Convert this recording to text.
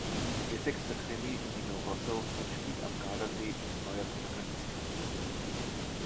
Ihr sechster Krimi „Vino rosso“ spielt am Gardasee mit neuer Protagonistin.